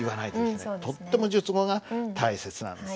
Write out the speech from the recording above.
とっても述語が大切なんです。